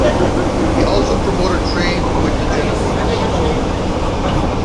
He also promoted trade with the Genoese.